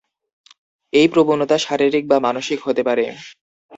এই প্রবণতা শারীরিক বা মানসিক হতে পারে।